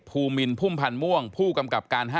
ภูมินพุ่มพันธ์ม่วงผู้กำกับการ๕